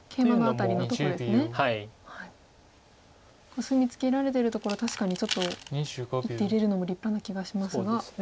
コスミツケられてるところ確かにちょっと１手入れるのも立派な気がしますが。